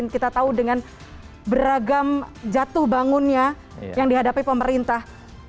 kita tahu dengan beragam jatuh bangunnya yang dihadapi pemerintah